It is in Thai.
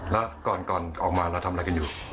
แล้วก่อนออกมาเราทำอะไรกันอยู่